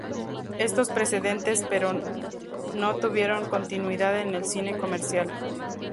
Estos precedentes, pero, no tuvieron continuidad en el cine comercial.